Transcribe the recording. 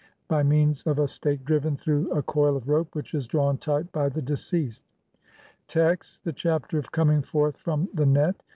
by means of a stake driven through a coil of rope which is drawn tight by the deceased. Text : (1) The Chapter of coming forth from the Net.